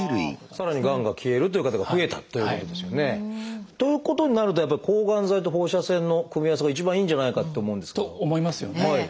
さらにがんが消えるという方が増えたということですよね。ということになるとやっぱり抗がん剤と放射線の組み合わせが一番いいんじゃないかと思うんですけど。と思いますよね。